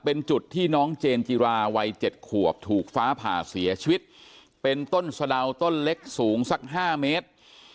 เป็นจุดที่น้องเจนจิราวัย๗ขวบถูกฟ้าผ่าเสียชีวิตเป็นต้นสะดาวต้นเล็กสูงสัก๕เมตร